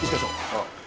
ああ。